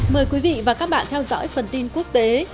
mời quý vị và các bạn theo dõi phần tin quốc tế